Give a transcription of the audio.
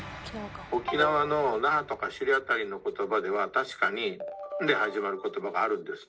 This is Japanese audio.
沖縄の那覇とか首里辺りのことばでは確かに「ん」で始まることばがあるんですね。